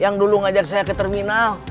yang dulu ngajak saya ke terminal